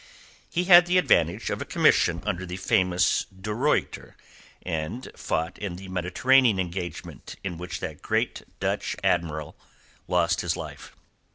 He had the advantage of a commission under the famous de Ruyter, and fought in the Mediterranean engagement in which that great Dutch admiral lost his life.